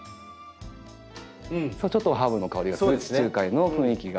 ちょっとハーブの香りがする地中海の雰囲気が。